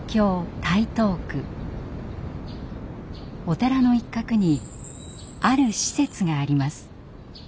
お寺の一角にある施設があります。